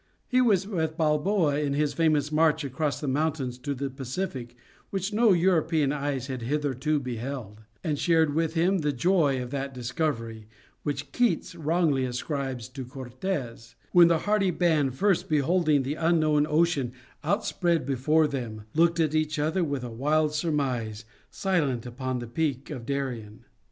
He was with Balboa in his famous march across the mountains to the Pacific, which no European eyes had hitherto beheld; and shared with him the joy of that discovery, which Keats wrongly ascribes to Cortes, when the hardy band, first beholding the unknown ocean outspread before them "Looked at each other with a wild surmise, Silent, upon a peak in Darien."